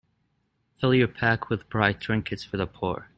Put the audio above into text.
Fill your pack with bright trinkets for the poor.